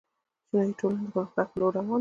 چینايي ټولنه د پرمختګ په لور روانه ده.